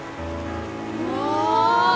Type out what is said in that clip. うわ！